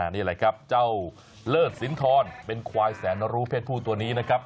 นี่แหละครับเจ้าเลิศสินทรเป็นควายแสนรู้เพศผู้ตัวนี้นะครับ